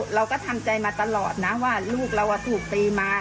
เราก็ทำใจมาตลอดนะว่าลูกเราถูกตีมา